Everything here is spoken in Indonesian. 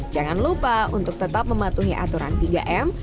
jangan lupa untuk tetap mematuhi aturan tiga m